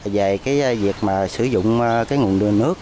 về việc sử dụng nguồn nước